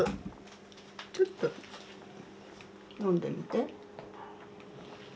ちょっと飲んでみて。